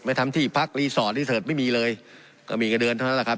ไม่ทำที่พักที่เสิร์ชไม่มีเลยก็มีกระเดือนเท่านั้นแหละครับ